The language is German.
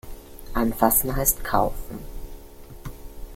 Anfassen heißt kaufen.